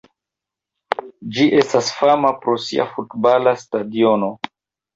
Ĝi estas fama pro sia futbala stadiono.